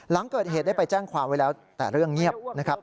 หลังเกิดเหตุได้ไปแจ้งความไว้แล้วแต่เรื่องเงียบนะครับ